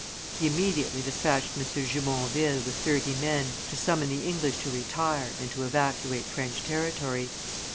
He immediately despatched M. de Jumonville with thirty men to summon the English to retire and to evacuate French territory.